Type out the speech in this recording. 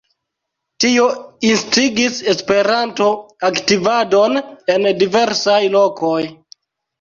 Tio instigis Esperanto-aktivadon en diversaj lokoj.